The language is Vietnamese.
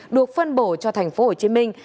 được phân bổ cho thành phố hồ chí minh